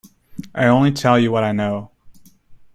I only tell you what I know.